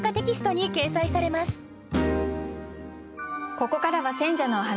ここからは選者のお話。